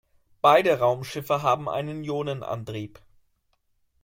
Beide Raumschiffe haben einen Ionenantrieb.